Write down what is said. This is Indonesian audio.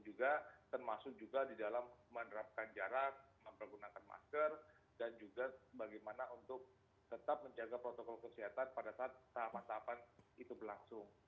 juga termasuk juga di dalam menerapkan jarak mempergunakan masker dan juga bagaimana untuk tetap menjaga protokol kesehatan pada saat tahapan tahapan itu berlangsung